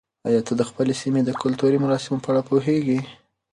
آیا ته د خپلې سیمې د کلتوري مراسمو په اړه پوهېږې؟